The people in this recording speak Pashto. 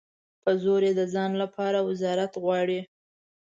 په زور یې د ځان لپاره وزارت غواړي.